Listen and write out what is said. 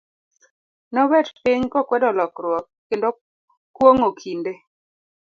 ne obet piny, kokwedo lokruok, kendo kuong'o kinde.